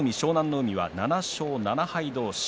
海が７勝７敗同士。